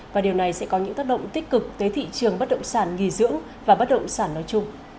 và điều này sẽ có những tác động tích cực tới thị trường bất động sản nghỉ dưỡng và bất động sản nói chung